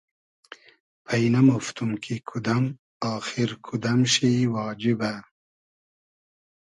پݷ نئمۉفتوم کی کودئم آخیر کودئم شی واجیبۂ